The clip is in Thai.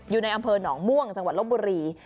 อยู่ในอำเภอหนองม่วงจังหวัดลบบุรี